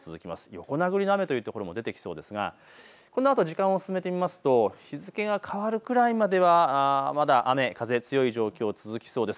横殴りの雨という所も出てきそうですがこのあと時間を進めてみますと日付が変わるくらいまではまだ雨風、強い状況、続きそうです。